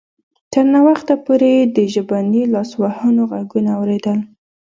تر ناوخته پورې یې د ژبني لاسوهنو غږونه اوریدل